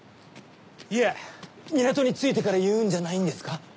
港に着いてから言うんじゃないんですか？